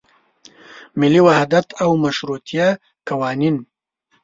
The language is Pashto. ملي وحدت او مشروطیه قوانین.